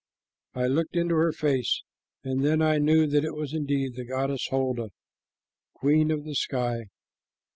I looked into her face, and then I knew that it was indeed the goddess Holda, queen of the sky.